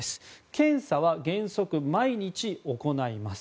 検査は原則毎日行います。